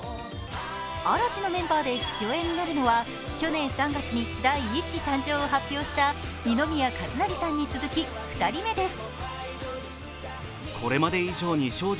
嵐のメンバーで父親になるのは、去年３月に第一子誕生を発表した二宮和也さんに続き２人目です。